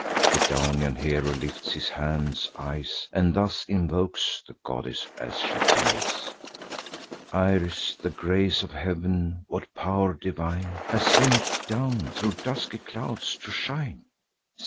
The Daunian hero lifts his hands and eyes, And thus invokes the goddess as she flies: "Iris, the grace of heav'n, what pow'r divine Has sent thee down, thro' dusky clouds to shine?